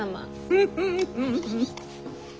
フフフフ。